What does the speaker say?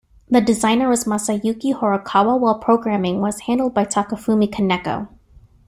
The designer was Masayuki Horikawa, while programming was handled by Takafumi Kaneko.